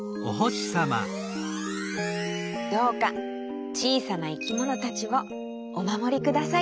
どうかちいさないきものたちをおまもりください。